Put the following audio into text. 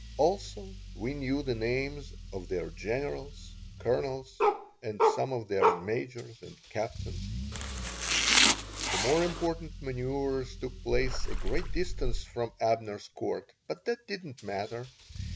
Also, we knew the names of their generals, colonels, and some of their majors or captains. The more important manoeuvers took place a great distance from Abner's Court, but that did not matter.